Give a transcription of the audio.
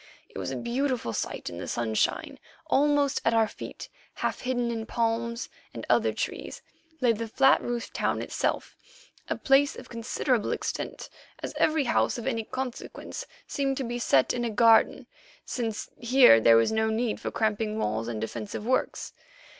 It was a beautiful sight in the sunshine. Almost at our feet, half hidden in palms and other trees, lay the flat roofed town itself, a place of considerable extent, as every house of any consequence seemed to be set in a garden, since here there was no need for cramping walls and defensive works.